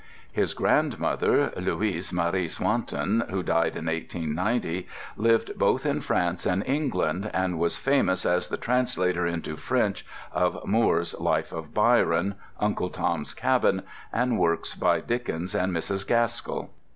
His grandmother, Louise Marie Swanton, who died in 1890, lived both in France and England, and was famous as the translator into French of Moore's "Life of Byron," "Uncle Tom's Cabin," and works by Dickens and Mrs. Gaskell.